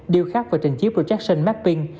điều khác và trình chiếc projection mapping